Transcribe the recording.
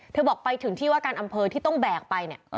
เธอบอกไปถึงที่ว่าการอำเภอที่ต้องแบกไป